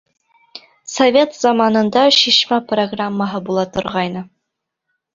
Совет заманында «Шишмә» программаһы була торғайны.